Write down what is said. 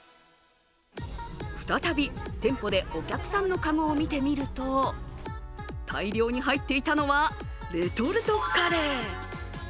再び店舗でお客さんの籠を見てみると、大量に入っていたのはレトルトカレー。